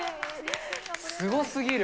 すごすぎる。